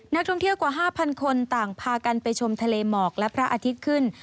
นักท่องเที่ยวกว่า๕๐๐คนต่างพากันไปชมทะเลหมอกและพระอาทิตย์ขึ้น